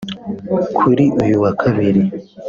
kuri yu wa Kabiri